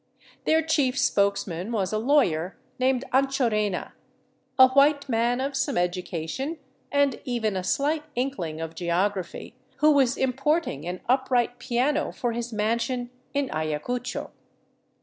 Their chief spokesman was a lawyer named Anchorena, a white man of some education and even a slight inkling of geography, who was importing an upright piano for his mansion in Ayacucho.